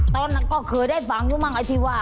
ตอนนั้นก็เคยได้ฟังอยู่มั่งไอธิวะ